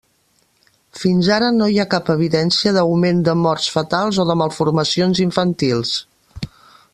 Fins ara no hi ha cap evidència d'augment de morts fetals o de malformacions infantils.